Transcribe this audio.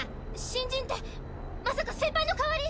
「新人」ってまさかセンパイの代わり⁉